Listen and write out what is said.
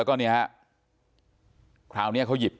คราวนี้เขาหยิบ